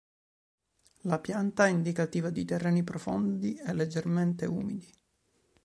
La pianta è indicativa di terreni profondi e leggermente umidi.